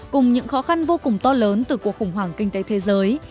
cùng những khó khăn vô cùng to lớn từ cuộc khủng hoảng kinh tế thế giới